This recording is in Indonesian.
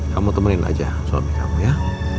kamu temenin aja suami kamu ya